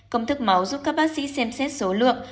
công thức máu giúp các bác sĩ xem xét số lượng